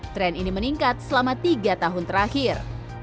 tren ini meningkat selama tiga tahun terakhir